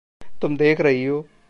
तुम देख रही हो।